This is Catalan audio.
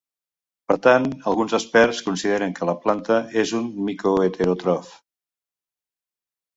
Per tant, alguns experts consideren que la planta és un micoheteròtrof.